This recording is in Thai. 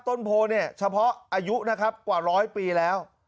ต้นโพเนี่ยเฉพาะอายุนะครับกว่าร้อยปีแล้ว